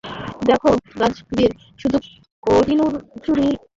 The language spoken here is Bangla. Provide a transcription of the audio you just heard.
দেখো, রাজবীর শুধু কোহিনূর চুরি করেছিল এজন্যই, যেন সেটা নিরাপদ থাকে।